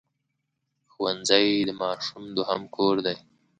ښوونځی د ماشوم دوهم کور دی